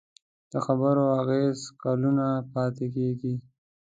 د خبرو اغېز کلونه پاتې کېږي.